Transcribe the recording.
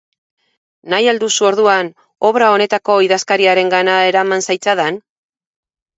Nahi al duzu, orduan, obra honetako idazkariarengana eraman zaitzadan?